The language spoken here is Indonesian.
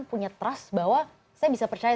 punya trust bahwa saya bisa percaya